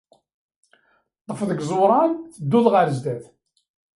Ṭṭef deg yiẓuran, tedduḍ ɣer zdat.